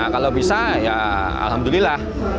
kalau bisa ya alhamdulillah